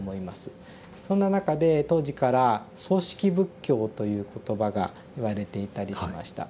そんな中で当時から「葬式仏教」という言葉が言われていたりしました。